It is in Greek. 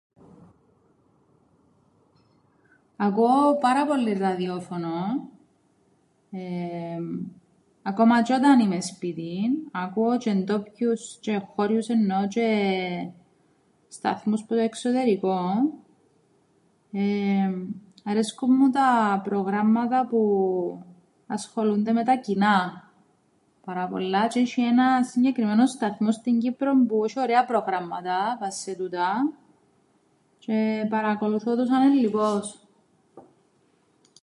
Ακούω πάρα πολλύν ραδιόφωνον, εε.